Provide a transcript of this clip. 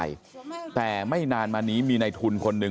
ชาวบ้านในพื้นที่บอกว่าปกติผู้ตายเขาก็อยู่กับสามีแล้วก็ลูกสองคนนะฮะ